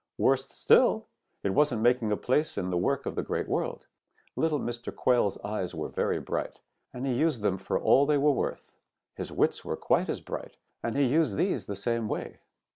Worse still, it wasn't making a place in the work of the Great World. Little Mr. Quail's eyes were very bright, and he used them for all they were worth. His wits were quite as bright, and he used these the same way.